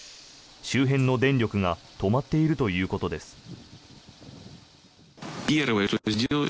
周辺の電力が止まっているということです。